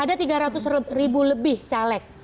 ada tiga ratus ribu lebih caleg